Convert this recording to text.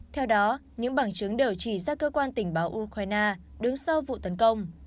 theo đó những bằng chứng đều chỉ ra cơ quan tình báo ukraine đứng sau vụ tấn công